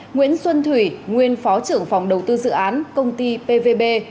nguyễn xuân thủy nguyên phó trưởng phòng đầu tư dự án công ty pvb